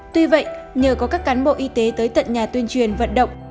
tuy vậy nhờ có các cán bộ y tế tới tận nhà tuyên truyền vận động